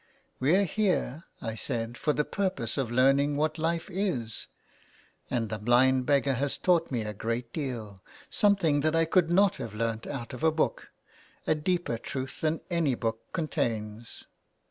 " We're here," I said, " for the purpose of learning what life is, and the blind beggar has taught me a great deal, something that I could not have learnt out of a book, a deeper truth than any book contains."